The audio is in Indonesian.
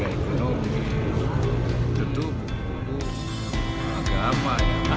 itu buku buku agama